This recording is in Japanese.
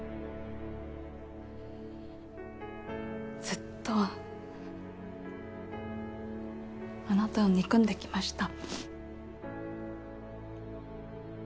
ずっとあなたを憎んできました。